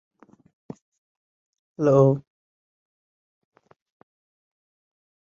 কারণ তিনি তার মুখ এবং বাহুতে ক্ষতবিক্ষত হয়ে পড়েছিলেন এবং তার একটি চোখ পুরোপুরি হারিয়ে ছিলেন।